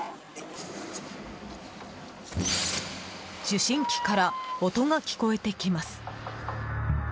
受信機から音が聞こえてきます。